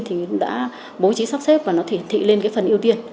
thì đã bố trí sắp xếp và nó hiển thị lên cái phần ưu tiên